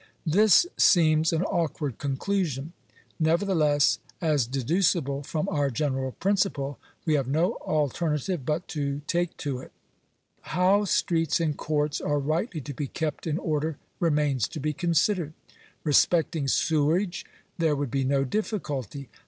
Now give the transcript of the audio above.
This seems an awkward conclusion; nevertheless, as dedu cible from our general principle, we have no alternative but to take to it. How streets and courts are rightly to be kept in order remains to be considered. Respecting sewage there would be no difficulty.